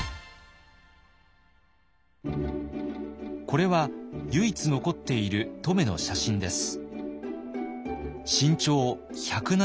これは唯一残っている乙女の写真です。